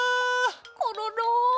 コロロ。